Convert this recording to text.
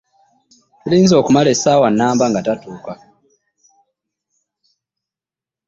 Tumulinze okumala essaawa nnamba nga tatuuka?